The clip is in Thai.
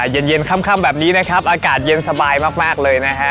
เย็นค่ำแบบนี้นะครับอากาศเย็นสบายมากเลยนะฮะ